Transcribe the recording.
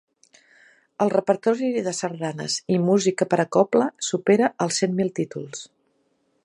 El repertori de sardanes i música per a cobla supera els cent mil títols.